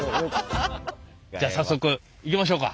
じゃあ早速行きましょうか！